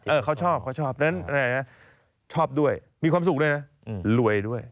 เขาชอบเขาชอบดังนั้นชอบด้วยมีความสุขด้วยนะรวยด้วย